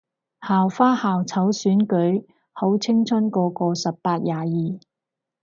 校花校草選舉？好青春個個十八廿二